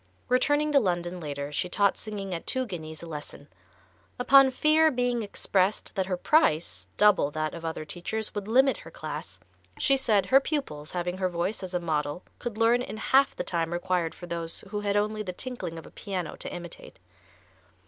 Returning to London later she taught singing at two guineas a lesson. Upon fear being expressed that her price, double that of other teachers, would limit her class, she said her pupils having her voice as a model could learn in half the time required for those who had only the tinkling of a piano to imitate.